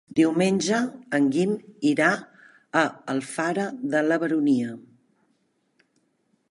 Diumenge en Guim irà a Alfara de la Baronia.